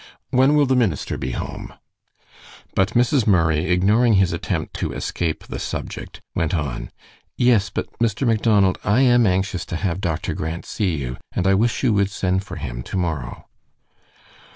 When will the minister be home?" But Mrs. Murray, ignoring his attempt to escape the subject, went on: "Yes, but, Mr. Macdonald, I am anxious to have Doctor Grant see you, and I wish you would send for him to morrow."